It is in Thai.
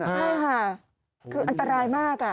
ใช่ค่ะคืออันตรายมาก